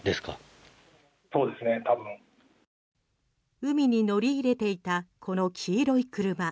海に乗り入れていたこの黄色い車。